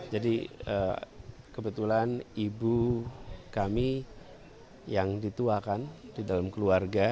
jadi kebetulan ibu kami yang dituakan di dalam keluarga